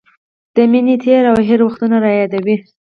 د مینې تېر او هېر وختونه رايادوي.